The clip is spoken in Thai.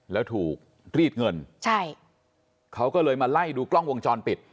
แล้วถูกรีดเงินใช่เขาก็เลยมาไล่ดูกล้องวงจรปิด